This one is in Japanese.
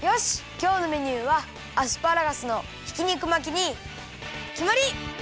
きょうのメニューはアスパラガスのひき肉巻きにきまり！